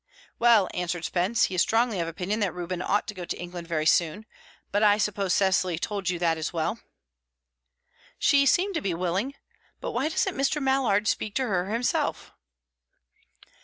"Well," answered Spence, "he is strongly of opinion that Reuben ought to go to England very soon. But I suppose Cecily told you that as well?" "She seemed to be willing. But why doesn't Mr. Mallard speak to her himself?"